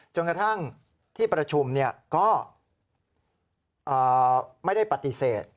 จนกระทั่งที่ประชุมก็ไม่ได้ปฏิเสธ